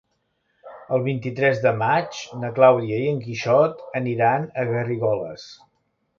El vint-i-tres de maig na Clàudia i en Quixot aniran a Garrigoles.